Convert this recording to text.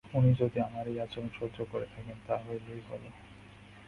উনি যদি আমার এই আচরণ সহ্য করে থাকেন তা হলেই হল।